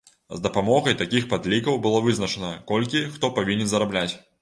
З дапамогай такіх падлікаў было вызначана, колькі хто павінен зарабляць.